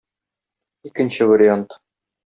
Икенче вариант.